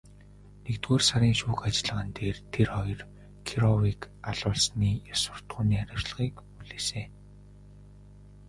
Нэгдүгээр сарын шүүх ажиллагаан дээр тэр хоёр Кировыг алуулсны ёс суртахууны хариуцлагыг хүлээсэн.